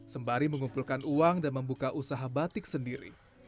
sembari mengumpulkan uang dan membuka usaha batik sendiri